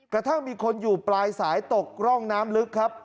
กระทั่งมีคนอยู่ปลายสายตกร่องน้ำลึกครับ